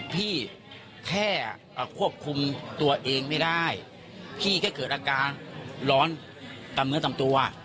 พี่แค่ควบคุมตัวเองไม่ได้พี่แค่เกิดอาการร้อนตามเนื้อตามตัว